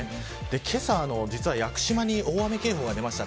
けさは、屋久島に大雨警報が出ました。